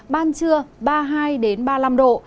ban trưa ba mươi hai ba mươi năm độ